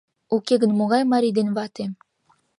Уке гын, могай «марий ден вате»?